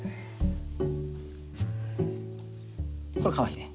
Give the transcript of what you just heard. これかわいいね。